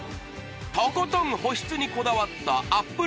とことん保湿にこだわったアップ